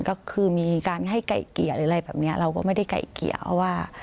ก็คือมีการให้ไก่เกลี่ยหรืออะไรแบบนี้เราก็ไม่ได้ไก่เกลี่ยว่า